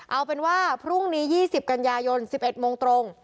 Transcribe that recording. เอาเป็นว่าพรุ่งนี้๒๐กันยายน๑๑โมงตรง